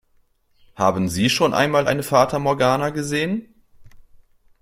Haben Sie schon einmal eine Fata Morgana gesehen?